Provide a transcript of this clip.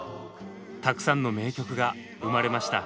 たくさんの名曲が生まれました。